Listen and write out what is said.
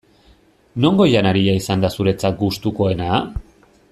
Nongo janaria izan da zuretzat gustukoena?